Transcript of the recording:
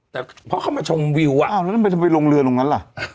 แต่พอเข้ามาชมวิวว่าอ้าวแล้วทำไมทำไมลงเรือตรงนั้นล่ะ